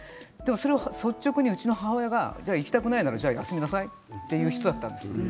率直にうちの母親が行きたくないなら休みなさいという人だったんです。